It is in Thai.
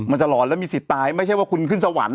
จะหลอนแล้วมีสิทธิ์ตายไม่ใช่ว่าคุณขึ้นสวรรค์